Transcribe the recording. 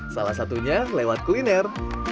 salah satunya lewat kuliner